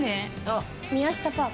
あ宮下パーク？